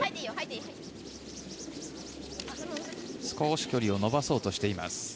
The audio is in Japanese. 少し距離を伸ばそうとしています。